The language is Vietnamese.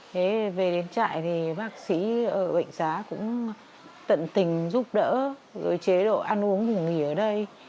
thế về đến trại thì bác sĩ ở bệnh xá cũng tận tình giúp đỡ rồi chế độ ăn uống ngủ nghỉ ở đây